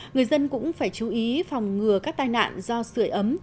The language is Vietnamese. người dân cũng phải chú ý phòng ngừa các tai nạn do sửa ấm